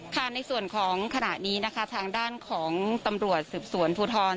ในส่วนของขณะนี้นะคะทางด้านของตำรวจสืบสวนภูทร